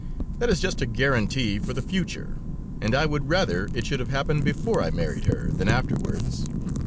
That is just a guarantee for the future, and I would rather it should have happened before I married her, than afterwards.